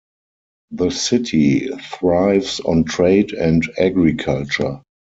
The city thrives on trade and agriculture.